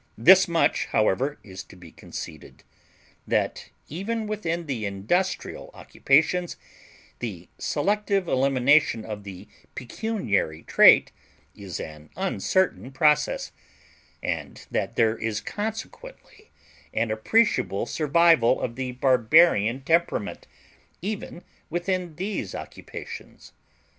This much, however, is to be conceded, that even within the industrial occupations the selective elimination of the pecuniary traits is an uncertain process, and that there is consequently an appreciable survival of the barbarian temperament even within these occupations.